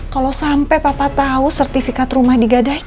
kalau sampai papa tau sertifikat rumah digadaikan